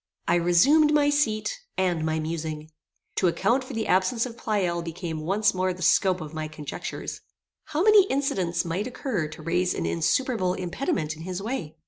I resumed my seat and my musing. To account for the absence of Pleyel became once more the scope of my conjectures. How many incidents might occur to raise an insuperable impediment in his way?